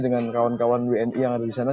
dengan kawan kawan wni yang ada di sana